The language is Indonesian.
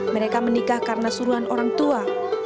mereka menikah karena suruhan orang tua